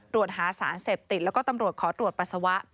ตรวจหาสารเสพติดแล้วก็ตำรวจขอตรวจปัสสาวะ